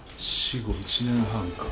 死後１年半か。